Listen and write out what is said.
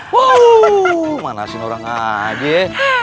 wuhh manasin orang aja